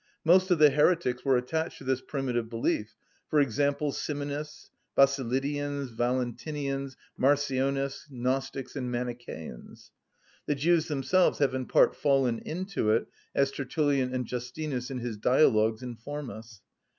Most of the heretics were attached to this primitive belief; for example, Simonists, Basilidians, Valentinians, Marcionists, Gnostics, and Manichæans. The Jews themselves have in part fallen into it, as Tertullian and Justinus (in his dialogues) inform us.